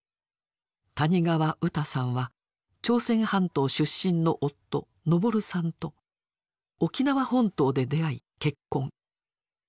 谷川ウタさんは朝鮮半島出身の夫昇さんと沖縄本島で出会い結婚。